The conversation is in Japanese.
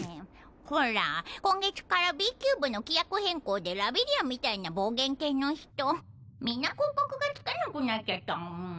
ほら今月からＢ・キューブの規約変更でラビリアみたいな暴言系の人みんな広告がつかなくなっちゃって。